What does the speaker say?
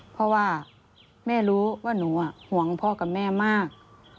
เพราะว่าแม่รู้ว่าหนูห่วงพ่อกับแม่มาก